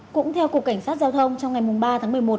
cũng theo cục cảnh sát giao thông trong ngày ba tháng một mươi một